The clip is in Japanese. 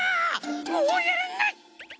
もうやらない！